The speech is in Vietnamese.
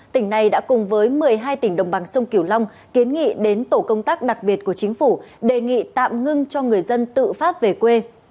tỉnh này đã cùng với một mươi hai tỉnh đồng bằng sông kiểu long kiến nghị đến tổ công tác đặc biệt của chính phủ đề nghị tạm ngưng cho người dân tự phát về quê